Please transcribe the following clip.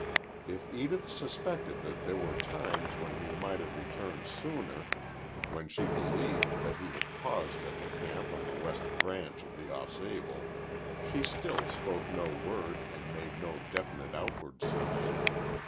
If Edith suspected that there were times when he might have returned sooner, when she believed that he had paused at the camp on the west branch of the Au Sable, she still spoke no word and made no definite outward sign.